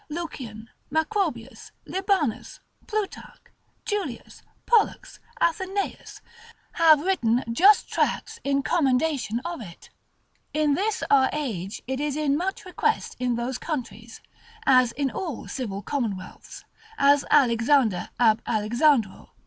Lucian, Macrobius, Libanus, Plutarch, Julius, Pollux, Athenaeus, have written just tracts in commendation of it. In this our age it is in much request in those countries, as in all civil commonwealths, as Alexander ab Alexandro, lib.